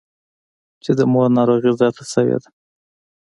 چې د مور ناروغي زياته سوې ده.